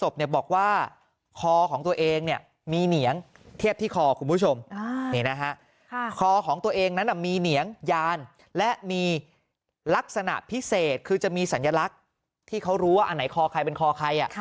พิเศษคือจะมีสัญลักษณ์ที่เขารู้ว่าอันไหนคอใครเป็นคอใคร